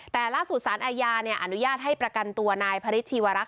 แต่ล่าสุดสารอาญาอนุญาตให้ประกันตัวนายพระฤทธชีวรักษ